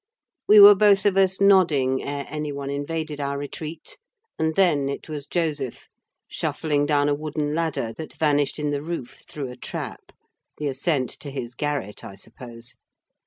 We were both of us nodding ere any one invaded our retreat, and then it was Joseph, shuffling down a wooden ladder that vanished in the roof, through a trap: the ascent to his garret, I suppose.